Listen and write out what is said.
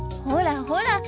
ほらほら